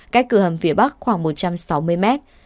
cách cửa hầm phía bắc khoảng một trăm sáu mươi mét